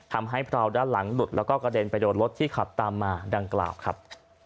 ทำให้พราวด้านหลังหลุดแล้วก็กระเด็นไปโดนรถที่ขับตามมาดังกล่าวครับ